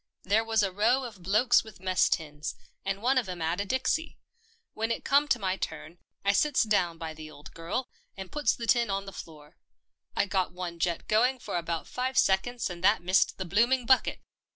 There was a row of blokes with mess tins, and one of 'em 'ad a dixie. When it come to my turn, I sits down by the old girl, and puts the tin on the floor. I got one jet going for about five seconds and that missed the blooming bucket.